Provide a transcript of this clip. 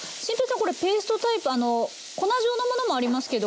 これペーストタイプ粉状のものもありますけど。